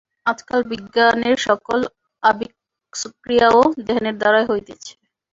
আজকাল বিজ্ঞানের সকল আবিষ্ক্রিয়াও ধ্যানের দ্বারাই হইতেছে।